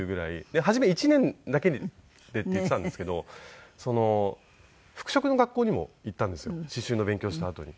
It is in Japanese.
初め１年だけでって言っていたんですけど服飾の学校にも行ったんですよ刺繍の勉強をしたあとに。